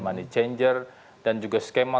money changer dan juga skema